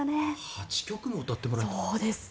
８曲も歌ってもらったの？